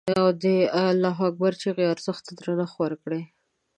او د الله اکبر د چیغې ارزښت ته درنښت وکړي.